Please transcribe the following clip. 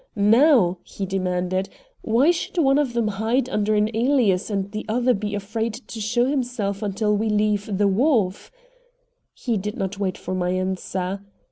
Now," he demanded, "why should one of them hide under an alias and the other be afraid to show himself until we leave the wharf?" He did not wait for my answer.